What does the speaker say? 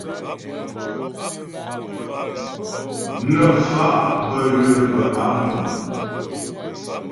Nə́ fa' bə́ ywə̌ bə́ á púŋ.